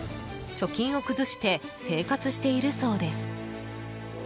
貯金を崩して生活しているそうです。